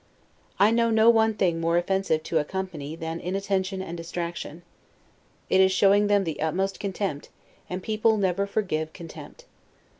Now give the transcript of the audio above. I know no one thing more offensive to a company than that inattention and DISTRACTION. It is showing them the utmost contempt; and people never forgive contempt.